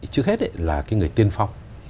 trước hết là người tiên phong